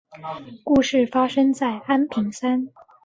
故事发生在安平山。